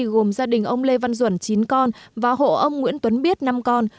gồm gia đình ông lê văn duẩn chín con và hộ ông nguyễn tuấn biết năm con